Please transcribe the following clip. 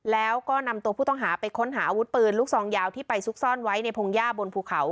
แล้วก็นำตัวผู้ต้องหาไปค้นหาอาวุธปืนลูกซองยาวที่ไปซุกซ่อนไว้ในพงหญ้าบนภูเขา